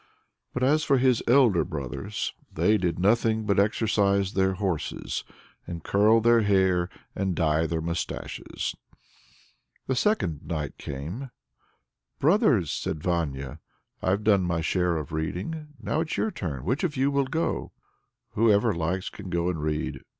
But as for his elder brothers they did nothing but exercise their horses, and curl their hair, and dye their mustaches. The second night came. "Brothers!" said Vanya, "I've done my share of reading. It's your turn now; which of you will go?" "Whoever likes can go and read.